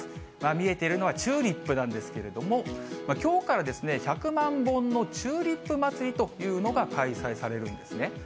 見えているのはチューリップなんですけれども、きょうからですね、１００万本のチューリップ祭というのが開催されるんですね。